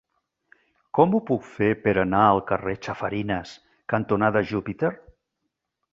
Com ho puc fer per anar al carrer Chafarinas cantonada Júpiter?